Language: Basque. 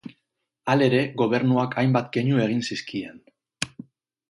Halere, gobernuak hainbat keinu egin zizkien.